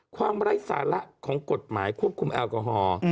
ไร้สาระของกฎหมายควบคุมแอลกอฮอล์